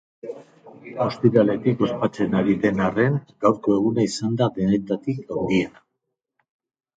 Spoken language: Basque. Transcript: Ostiraletik ospatzen ari den arren, gaurko eguna izan da denetatik handiena.